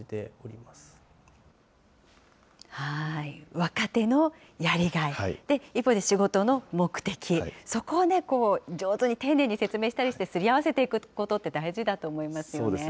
若手のやりがい、一方で、仕事の目的、そこを上手に丁寧に説明したりしてすり合わせていくことって大事そうですよね。